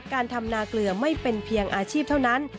การทำนาเกลือไม่เป็นเพียงอาชีพเท่านั้น